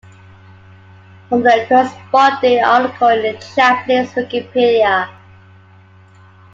"From the corresponding article in the Japanese Wikipedia"